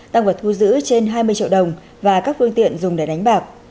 tăng vật thu giữ trên hai mươi triệu đồng và các phương tiện dùng để đánh bạc